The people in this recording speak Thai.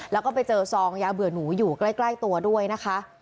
แล้วก็ไปเจอซองยาเบื่อหนูอยู่ใกล้ตัวด้วยนะคะ